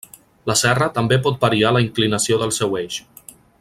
La serra també pot variar la inclinació del seu eix.